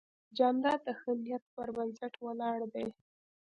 جانداد د ښه نیت پر بنسټ ولاړ دی.